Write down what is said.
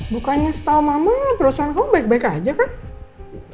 bukannya setau mama perusahaan kamu baik baik aja kak